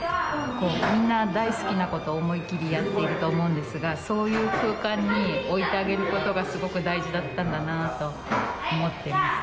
みんな大好きなことを思い切りやっていると思うんですがそういう空間に置いてあげることがすごく大事だったんだなと思っています。